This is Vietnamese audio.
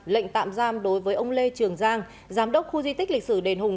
lệnh tạm giam đối với ông lê trường giang giám đốc khu di tích lịch sử đền hùng